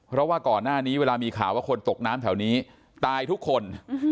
เพราะว่าก่อนหน้านี้เวลามีข่าวว่าคนตกน้ำแถวนี้ตายทุกคน